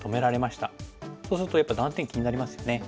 そうするとやっぱり断点気になりますよね。